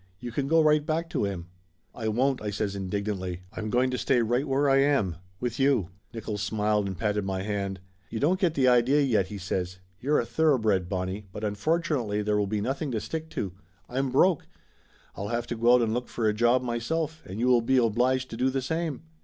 You can go right back to him." "I won't!" I says indignantly. "I'm going to stay right where I am. With you." Nickolls smiled and patted my hand. "You don't get the idea, yet," he says. "You're a thoroughbred, Bonnie, but unfortunately there will be nothing to stick to. I'm broke. I'll have to go out and look for a job myself, and you will be obliged to do the same."